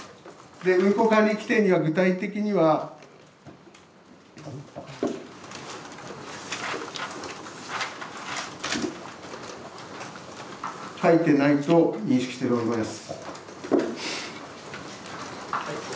運航管理規定には具体的には書いてないと認識しております。